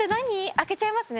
開けちゃいますね。